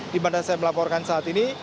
dimana saya melaporkan saat ini